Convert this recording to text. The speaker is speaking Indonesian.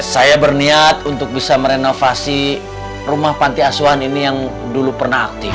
saya berniat untuk bisa merenovasi rumah panti asuhan ini yang dulu pernah aktif